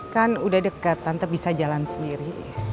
kan udah deket tante bisa jalan sendiri